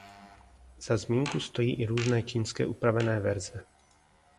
Za zmínku stojí i různé čínské upravené verze.